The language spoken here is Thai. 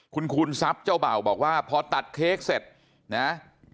คุณคูณทรัพย์เจ้าเบ่าบอกว่าพอตัดเค้กเสร็จนะ